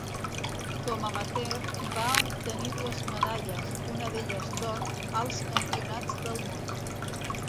Com amateur va obtenir dues medalles, una d'elles d'or, als Campionats del Món.